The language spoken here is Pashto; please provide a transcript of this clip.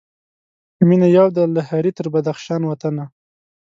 مېنه یوه ده له هري تر بدخشان وطنه